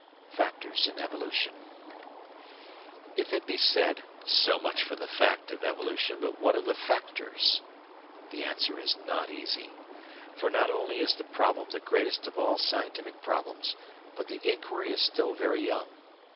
§ 2 Factors in Evolution If it be said "So much for the fact of evolution, but what of the factors?" the answer is not easy. For not only is the problem the greatest of all scientific problems, but the inquiry is still very young.